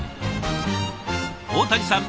大谷さん